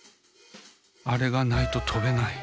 あれがないととべない。